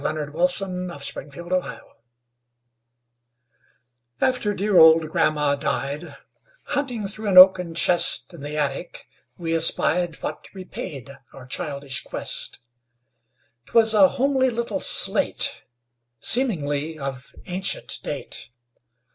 Eugene Field Little Homer's Slate AFTER dear old grandma died, Hunting through an oaken chest In the attic, we espied What repaid our childish quest; 'Twas a homely little slate, Seemingly of ancient date.